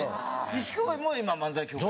錦鯉も今漫才協会？